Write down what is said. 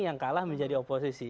yang kalah menjadi oposisi